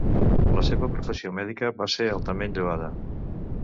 La seva professió mèdica va ser altament lloada.